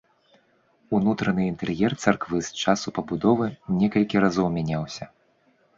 Унутраны інтэр'ер царквы з часу пабудовы некалькі разоў мяняўся.